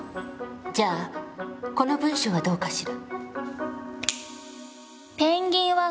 じゃあこの文章はどうかしら。